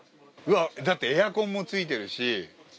だってエアコンも付いてるし。